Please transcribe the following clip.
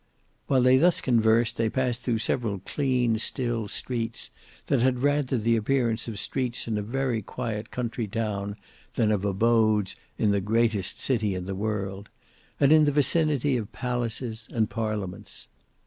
While they thus conversed they passed through several clean, still streets, that had rather the appearance of streets in a very quiet country town than of abodes in the greatest city in the world, and in the vicinity of palaces and parliaments.